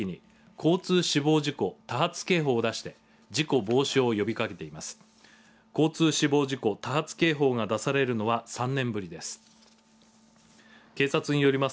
交通死亡事故多発警報が出されるのは３年ぶりです。